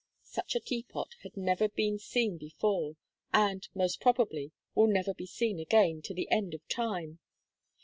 Such a Teapot had never been seen before, and, most probably, will never be seen again, to the end of time.